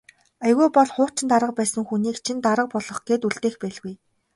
Аягүй бол хуучин дарга байсан хүнийг чинь дарга болгох гээд үлдээх байлгүй.